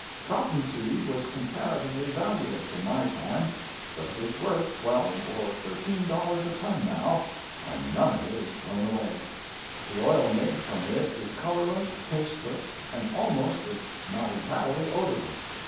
Cotton seed was comparatively valueless in my time; but it is worth $12 or $13 a ton now, and none of it is thrown away. The oil made from it is colorless, tasteless, and almost if not entirely odorless.